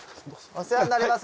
お世話になります。